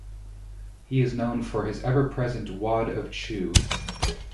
He is known for his ever-present wad of chew.